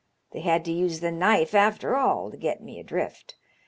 They had to use the knife after all to get me adrift.